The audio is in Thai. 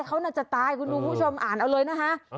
นอนจะตายคุณผู้ชมอ่านเอาเลยนะฮะ